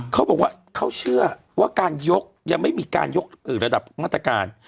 เขาบอกว่าเขาเชื่อว่าการยกยังไม่มีการยกระดับมาตรการ